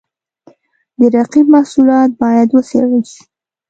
د رقیب محصولات باید وڅېړل شي.